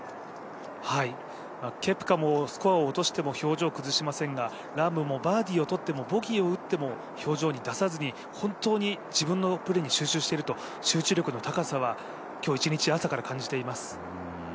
ケプカもスコアを落としても表情崩しませんが、ラームもバーディーを取ってもボギーを打っても表情に出さずに、本当に自分のプレーに集中していると集中力の高さは今日一日朝から感じています。